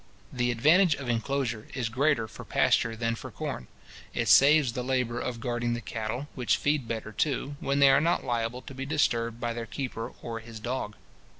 The advantage of inclosure is greater for pasture than for corn. It saves the labour of guarding the cattle, which feed better, too, when they are not liable to be disturbed by their keeper or his dog.